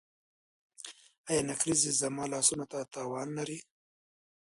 ایا نکریزې زما لاسونو ته تاوان لري؟